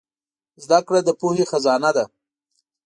زدهکړه د پوهې خزانه ده.